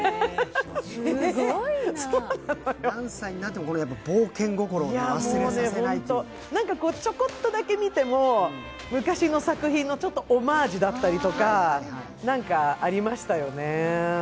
すごいな何歳になってもこれやっぱ冒険心を忘れさせないという何かこうちょこっとだけ見ても昔の作品のちょっとオマージュだったりとか何かありましたよね